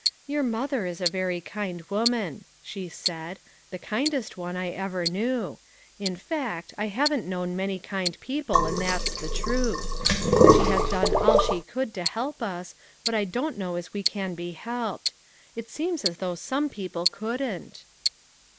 "Your mother is a very kind woman," she said, "the kindest one I ever knew; in fact, I haven't known many kind people, and that's the truth. She has done all she could to help us, but I don't know as we can be helped ; it seems as though some people couldn't."